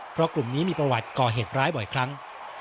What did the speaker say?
เพราะกลุ่มนี้มีประวัติก่อเหตุร้ายบ่อยครั้ง